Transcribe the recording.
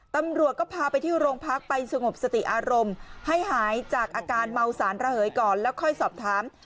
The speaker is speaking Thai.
ตำรวจก็พาไปที่โรงพักไปสงบสติอารมณ์ให้หายจากอาการเมาสารระเหยก่อนแล้วค่อยสอบถาม